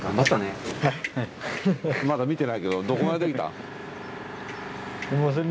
まだ見てないけどどこができたん。